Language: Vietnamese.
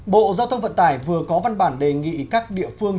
bộ giao thông vận tải vừa có văn bản đề nghị các địa phương